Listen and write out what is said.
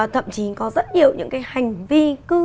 thậm chí có rất nhiều những cái hành vi cư